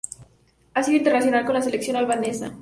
Ha sido internacional con la Selección Albanesa.